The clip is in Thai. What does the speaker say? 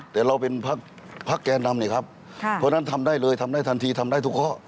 แต่เราเป็นพักแกนนำนี่ครับเพราะฉะนั้นทำได้เลยทำได้ทันทีทำได้ทุกข้อ